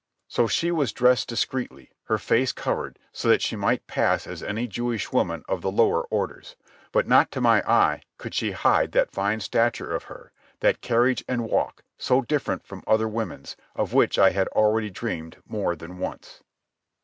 So she was dressed discreetly, her face covered, so that she might pass as any Jewish woman of the lower orders. But not to my eye could she hide that fine stature of her, that carriage and walk, so different from other women's, of which I had already dreamed more than once.